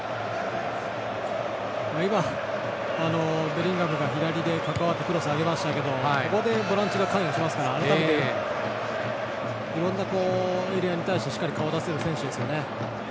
ベリンガムが左で関わってクロスを上げましたけどボランチが関与してますから改めて、いろんなエリアに対してしっかり顔を出せる選手ですね。